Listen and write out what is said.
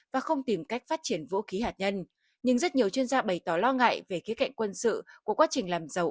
hạt nhân nhưng rất nhiều chuyên gia bày tỏ lo ngại về khía cạnh quân sự của quá trình làm giàu